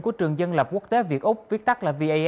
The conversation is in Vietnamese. của trường dân lập quốc tế việt úc